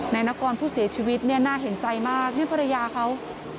นายนกรผู้เสียชีวิตเนี่ยน่าเห็นใจมากนี่ภรรยาเขา